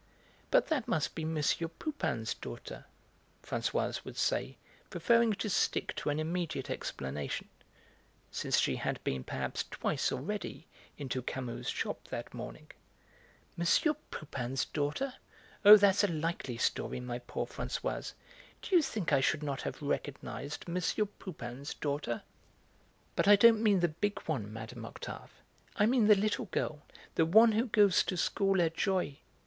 "But that must be M. Pupin's daughter," Françoise would say, preferring to stick to an immediate explanation, since she had been perhaps twice already into Camus's shop that morning. "M. Pupin's daughter! Oh, that's a likely story, my poor Françoise. Do you think I should not have recognised M. Pupin's daughter!" "But I don't mean the big one, Mme. Octave; I mean the little girl, he one who goes to school at Jouy.